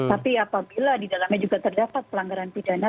tapi apabila didalamnya juga terdapat pelanggaran pidana